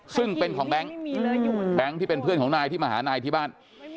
ซึ่งเป็นของแบงค์แบงค์ที่เป็นเพื่อนของนายที่มาหานายที่บ้าน